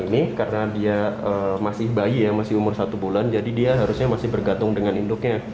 ini karena dia masih bayi ya masih umur satu bulan jadi dia harusnya masih bergantung dengan induknya